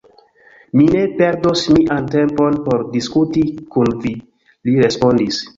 Mi ne perdos mian tempon por diskuti kun vi, li respondis.